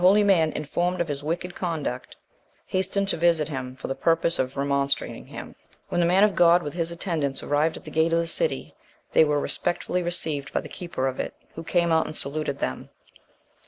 * The holy man, informed of his wicked conduct, hastened to visit him, for the purpose of remonstrating him. When the man of God, with his attendants, arrived at the gate of the city, they were respectfully received by the keeper of it, who came out and saluted them.